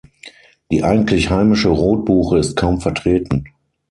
Die eigentlich heimische Rotbuche ist kaum vertreten.